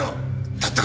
だったら。